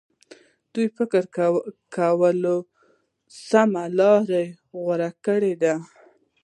دوی فکر کاوه سمه لار یې غوره کړې ده.